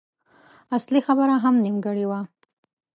اصلي خبره هم نيمګړې وه.